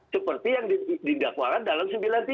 seperti yang didakwakan dalam sembilan puluh tiga